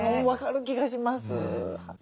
分かる気がします。